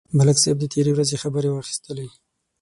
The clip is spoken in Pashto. ملک صاحب د تېرې ورځې خبرې واخیستلې.